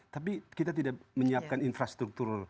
tapi kita tidak menyiapkan infrastruktur